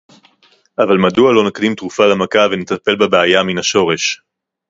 אבל מדוע לא נקדים תרופה למכה ונטפל בבעיה מן השורש